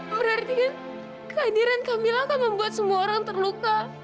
berarti kan kehadiran kamil akan membuat semua orang terluka